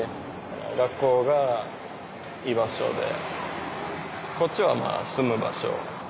学校が居場所でこっちは住む場所。